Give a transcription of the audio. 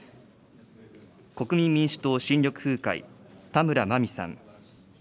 国民民主党・新緑風会、田村まみさん。